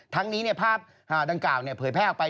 ทั้งนี้ภาพดังกล่าวเผยแพร่ออกไป